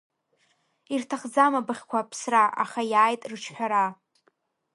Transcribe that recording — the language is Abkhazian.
Ирҭахӡам абыӷьқәа аԥсра, аха иааит рыҽҳәара.